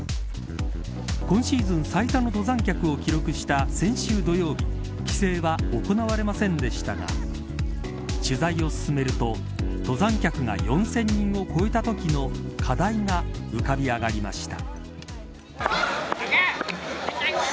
今シーズン最多の登山客を記録した先週土曜日規制は行われませんでしたが取材を進めると登山客が４０００人を超えたときの課題が浮かび上がりました。